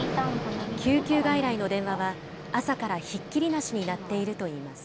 救急外来の電話は、朝からひっきりなしに鳴っているといいます。